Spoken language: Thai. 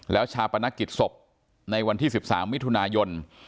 แล้วชาปนกิจศพในวันที่๑๓มิถุนายน